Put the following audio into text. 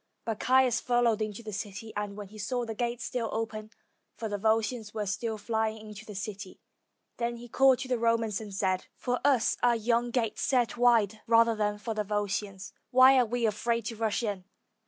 But Caius followed into the city, and when he saw the gates still open, for the Volscians were still flying into the city, then he called to the Romans, and said, "For us are yon gates set wide rather than for the Volscians; why are we afraid to rush in?"